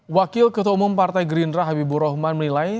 wakil ketua umum partai gerindra habibur rahman menilai